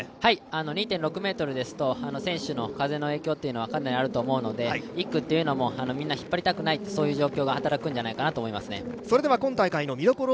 ２．６メートルですと選手への風の影響はかなりあると思うので１区というのもみんな引っ張りたくないというそういう状況が働くと思います。